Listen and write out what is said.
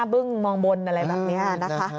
บึ้งมองบนอะไรแบบนี้นะคะ